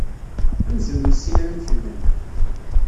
Amzun ur yessin ara amek llan.